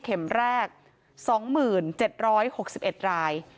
เข็มแรก๒๗๖๑ราย